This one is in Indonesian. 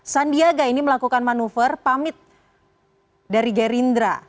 sandiaga ini melakukan manuver pamit dari gerindra